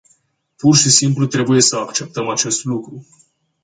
Pur și simplu trebuie să acceptăm acest lucru.